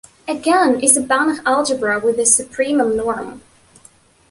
Again, is a Banach algebra with the supremum norm.